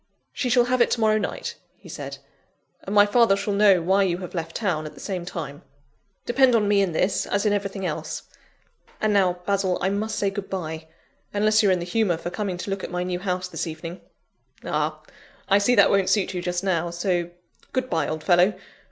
"She shall have it to morrow night," he said, "and my father shall know why you have left town, at the same time. Depend on me in this, as in everything else. And now, Basil, I must say good bye unless you're in the humour for coming to look at my new house this evening. Ah! I see that won't suit you just now, so, good bye, old fellow!